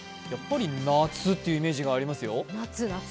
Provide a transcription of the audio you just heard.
夏っていうイメージありますよ。